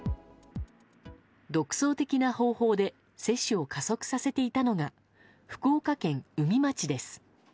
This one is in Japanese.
独創的な方法で接種を加速させていたのが福岡県宇美町です。